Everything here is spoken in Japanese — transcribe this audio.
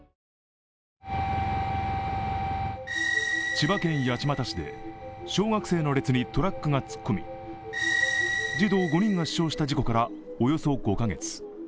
千葉県八街市で小学生の列にトラックが突っ込み児童５人が死傷した事故からおよそ５カ月。